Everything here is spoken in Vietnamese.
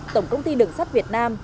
tổng công ty đường sắt việt nam